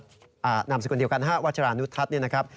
นามสิ่งคนเดียวกัน๕วัชรานุทัศน์นะครับ